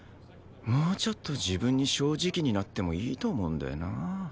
もうちょっと自分に正直になってもいいと思うんだよな。